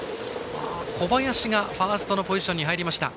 小林がファーストのポジションに入りました。